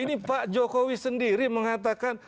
ini pak jokowi sendiri mengatakan